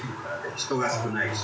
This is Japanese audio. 人が少ないし。